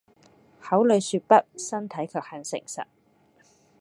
口裡說不，身體卻很誠實